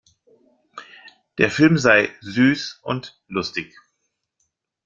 Der Film sei „süß“ und „lustig“.